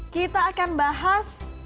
kita akan bahas